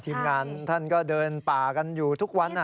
ทีมงานท่านก็เดินป่ากันอยู่ทุกวัน